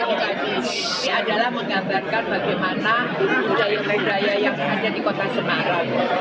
ini adalah menggambarkan bagaimana budaya pedaya yang ada di kota semarang